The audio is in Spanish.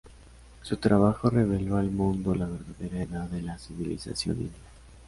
Su trabajo reveló al mundo la verdadera edad de la civilización india.